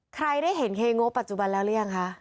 ได้เห็นเคโง่ปัจจุบันแล้วหรือยังคะ